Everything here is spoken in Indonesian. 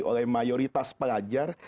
oleh mayoritas pelajar